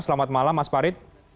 selamat malam mas parit